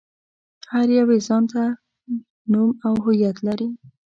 هر يو يې ځان ته نوم او هويت لري.